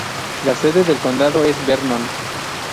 La sede de condado es Vernon.